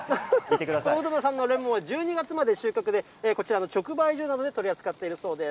鵜殿さんのレモンは、１２月まで収穫で、こちらの直売所などで取り扱っているそうです。